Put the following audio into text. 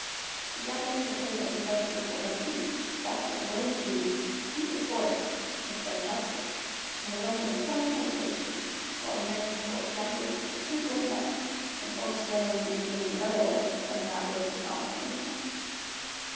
The Japanese had heard that the Dutch people like cheese, walk in wooden shoes, eat with forks, instead of chopsticks, and the women wear twenty petticoats apiece, while the men sport jackets with two gold buttons, and folks generally do things the other way from that which was common in Japan.